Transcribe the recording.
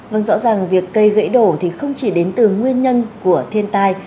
vâng rõ ràng việc cây gãy đổ thì không chỉ đến từ nguyên nhân của thiên tai